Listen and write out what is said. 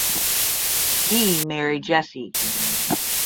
He married Jessie.